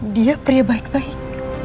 dia pria baik baik